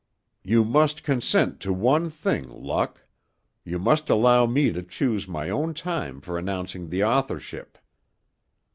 "You must consent to one thing, Luck: you must allow me to choose my own time for announcing the authorship."